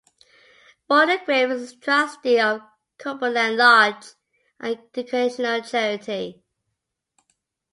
Waldegrave is a trustee of Cumberland Lodge, an educational charity.